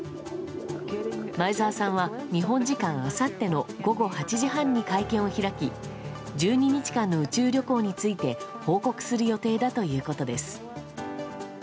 前澤さんは日本時間あさっての午後８時半に会見を開き１２日間の宇宙旅行について報告する予定だということです。